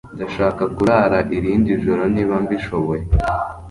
Ndashaka kurara irindi joro niba mbishoboye.